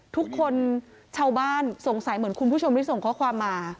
ทุกคนชาวบ้านสงสัยเหมือนคุณผู้ชมที่ส่งข้อความมา